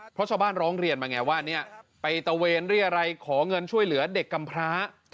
เพราะชาวบ้านร้องเรียนมาไงว่าเนี่ยไปตะเวนเรียรัยขอเงินช่วยเหลือเด็กกำพร้า